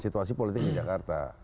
situasi politik di jakarta